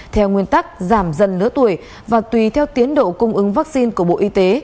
theo nguyên tắc giảm dần lứa tuổi và tùy theo tiến độ cung ứng vaccine của bộ y tế